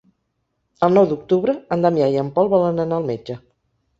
El nou d'octubre en Damià i en Pol volen anar al metge.